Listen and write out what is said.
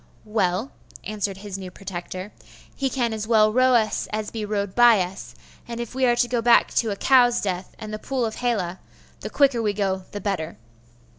'Well,' answered his new protector, 'he can as well row us as he rowed by us; and if we are to go back to a cow's death and the pool of Hela, the quicker we go the better.